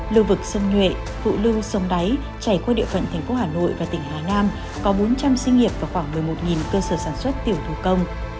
lưu vực sông nhuệ phụ lưu sông đáy chảy qua địa phận thành phố hà nội và tỉnh hà nam có bốn trăm linh sinh nghiệp và khoảng một mươi một cơ sở sản xuất tiểu thủ công